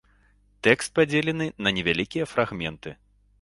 Тэкст падзелены на невялікія фрагменты.